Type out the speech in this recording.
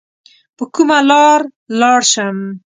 په کومه لار لاړ سم؟